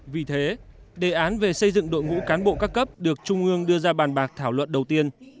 vì thế đề án về xây dựng đội ngũ cán bộ các cấp được trung ương đưa ra bàn bạc thảo luận đầu tiên